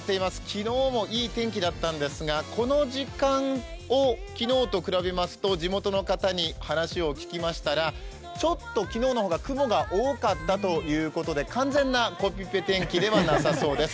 昨日もいい天気だったんですがこの時間を昨日と比べますと、地元の方に話を聞きましたらちょっと昨日の方が雲が多かったということで、完全なコピペ天気ではなさそうです。